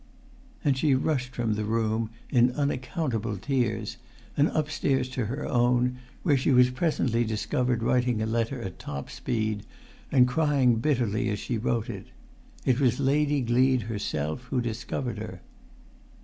And she rushed from the room in unaccountable tears, and upstairs to her own, where she was presently discovered writing a letter at top speed, and crying bitterly as she wrote; it was Lady Gleed herself who discovered her.